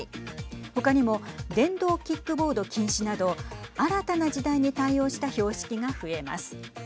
他にも電動キックボード禁止など新たな時代に対応した標識が増えます。